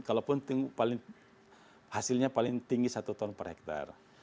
kalaupun hasilnya paling tinggi satu ton per hektare